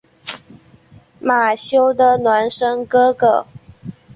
马修的孪生哥哥。